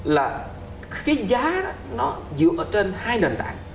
là cái giá đó nó dựa ở trên hai nền tảng